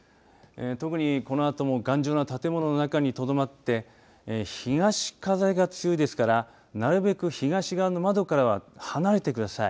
特に、このあとも頑丈な建物の中にとどまって東風が強いですからなるべく東側の窓からは離れてください。